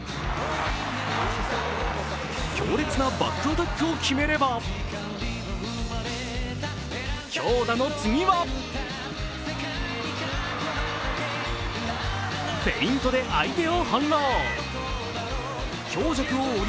強烈なバックアタックを決めれば、強打の次はフェイントで相手を翻弄。